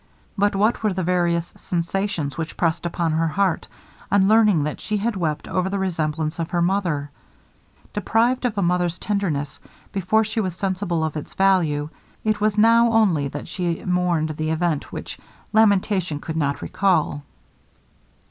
But what were the various sensations which pressed upon her heart, on learning that she had wept over the resemblance of her mother! Deprived of a mother's tenderness before she was sensible of its value, it was now only that she mourned the event which lamentation could not recall.